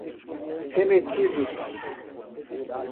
remetidos